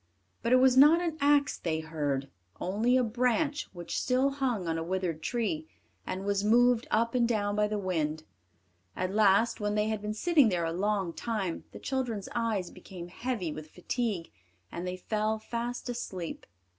But it was not an axe they heard only a branch which still hung on a withered tree, and was moved up and down by the wind. At last, when they had been sitting there a long time, the children's eyes became heavy with fatigue, and they fell fast asleep.